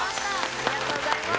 ありがとうございます。